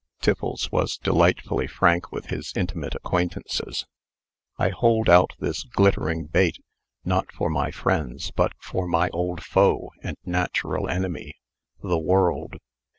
(Tiffles was delightfully frank with his intimate acquaintances.) "I hold out this glittering bait, not for my friends, but for my old foe and natural enemy, the world.